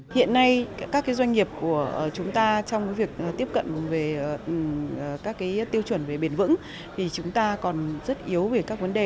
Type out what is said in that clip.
hiện nay các doanh nghiệp của chúng ta trong việc tiếp cận về các tiêu chuẩn về bền vững thì chúng ta còn rất yếu về các vấn đề